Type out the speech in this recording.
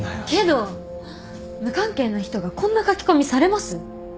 けど無関係な人がこんな書き込みされます？